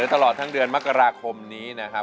ตลอดทั้งเดือนมกราคมนี้นะครับ